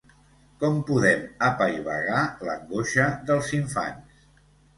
Com podem apaivagar l’angoixa dels infants?